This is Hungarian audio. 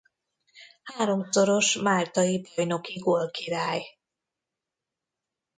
Háromszoros máltai bajnoki gólkirály.